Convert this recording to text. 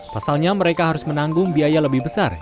pasalnya mereka harus menanggung biaya lebih besar